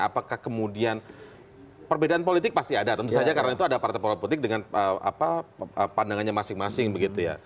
apakah kemudian perbedaan politik pasti ada tentu saja karena itu ada partai politik dengan pandangannya masing masing begitu ya